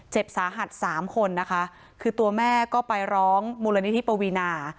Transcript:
สาหัสสามคนนะคะคือตัวแม่ก็ไปร้องมูลนิธิปวีนา